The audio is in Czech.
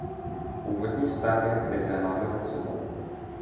Úvodní stádia krize máme za sebou.